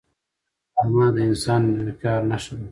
غرمه د انساني وقار نښه ده